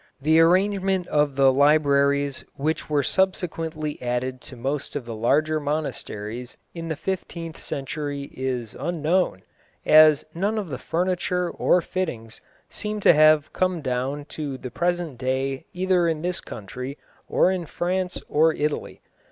The arrangement of the libraries which were subsequently added to most of the larger monasteries in the fifteenth century is unknown, as none of the furniture or fittings seem to have come down to the present day either in this country or in France or Italy.